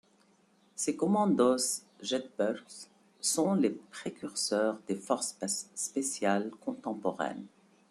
Ces commandos Jedburghs sont les précurseurs des forces spéciales contemporaines.